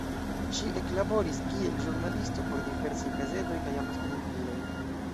Ŝi eklaboris kiel ĵurnalisto por diversaj gazetoj kaj amaskomunikiloj.